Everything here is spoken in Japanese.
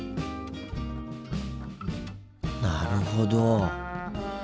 なるほど。